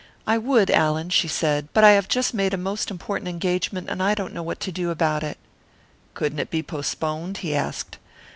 "I would, Allan," she said, "but I have just made a most important engagement, and I don't know what to do about it." "Couldn't it be postponed?" he asked.